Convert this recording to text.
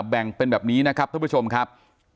แบ่งเป็นแบบนี้นะครับท่านผู้ชมครับ